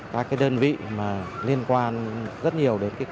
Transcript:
các đơn vị liên quan rất nhiều đến công tác